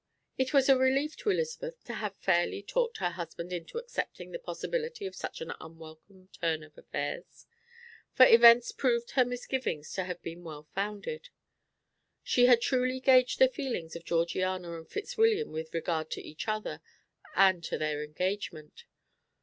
It was a relief to Elizabeth to have fairly talked her husband into accepting the possibility of such an unwelcome turn of affairs, for events proved her misgivings to have been well founded. She had truly gauged the feelings of Georgiana and Fitzwilliam with regard to each other and to their engagement.